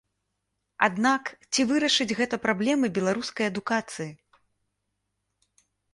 Аднак ці вырашыць гэта праблемы беларускай адукацыі?